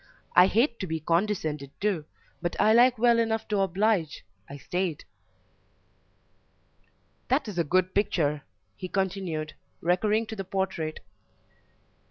I hate to be condescended to, but I like well enough to oblige; I stayed. "That is a good picture," he continued, recurring to the portrait.